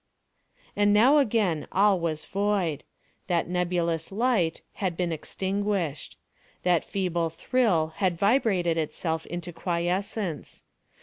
And now again all was void. That nebulous light had been extinguished. That feeble thrill had vibrated itself into quiescence.